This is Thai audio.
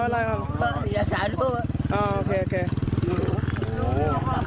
ไม่ได้มั้ยครับ